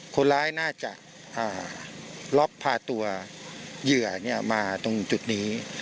คนร้ายน่าจะล็อกพาตัวเหยื่อมาตรงจุดนี้